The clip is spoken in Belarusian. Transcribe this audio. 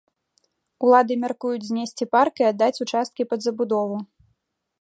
Улады мяркуюць знесці парк і аддаць участкі пад забудову.